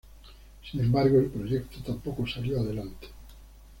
Sin embargo, el proyecto tampoco salió adelante.